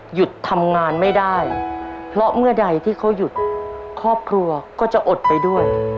หยุดทำงานไม่ได้เพราะเมื่อใดที่เขาหยุดครอบครัวก็จะอดไปด้วย